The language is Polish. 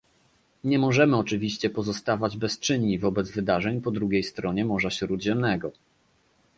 Nie możemy oczywiście pozostawać bezczynni wobec wydarzeń po drugiej stronie Morza Śródziemnego